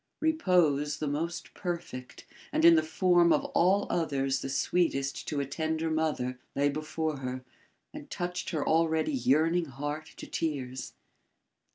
Repose the most perfect and in the form of all others the sweetest to a tender mother, lay before her and touched her already yearning heart to tears.